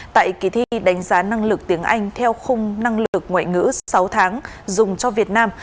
tại kỳ thi đánh giá năng lực tiếng anh theo khung năng lực ngoại ngữ sáu tháng dùng cho việt nam